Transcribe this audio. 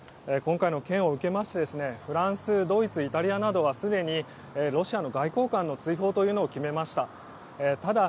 今回の件を受けましてフランスドイツ、イタリアなどはすでにロシアの外交官の追放を決めました。